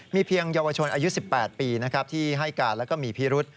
มีเพียงเยาวชนอายุ๑๘ปีที่ให้การแล้วก็มีพิรุษ